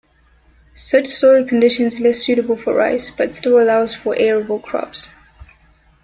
Such soil conditions less suitable for rice, but still allows for arable crops.